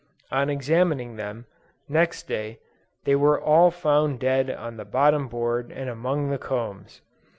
On examining them, next day, they were all found dead on the bottom board and among the combs!